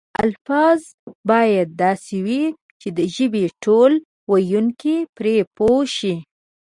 الفاظ باید داسې وي چې د ژبې ټول ویونکي پرې پوه شي.